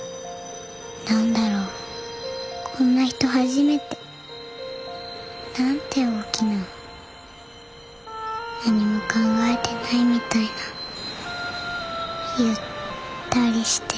何だろうこんな人初めて。なんて大きな何も考えてないみたいなゆったりして。